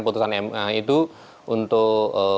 putusan ma itu untuk